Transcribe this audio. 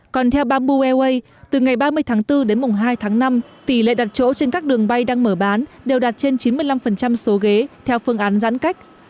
còn theo bamboo airways từ ngày ba mươi tháng bốn đến mùng hai tháng năm tỷ lệ đặt chỗ trên các đường bay đang mở bán đều đạt trên chín mươi năm số ghế theo phương án giãn cách